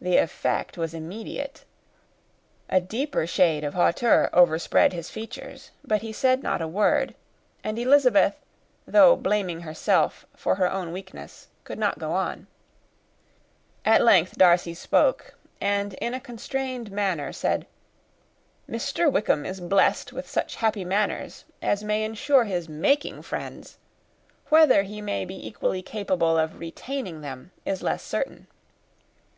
The effect was immediate. A deeper shade of hauteur overspread his features, but he said not a word; and Elizabeth, though blaming herself for her own weakness, could not go on. At length Darcy spoke, and in a constrained manner said, "Mr. Wickham is blessed with such happy manners as may insure his making friends; whether he may be equally capable of retaining them, is less certain."